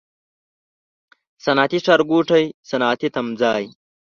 صنعتي ښارګوټی، صنعتي تمځای